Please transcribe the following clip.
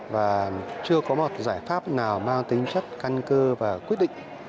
và chưa có một giải pháp nào mang tính chất căn cơ và quyết định